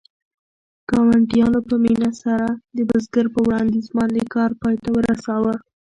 ګاونډیانو په مینه سره د بزګر په وړاندیز باندې کار پای ته ورساوه.